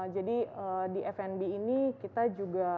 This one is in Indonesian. jadi di fnb ini kita juga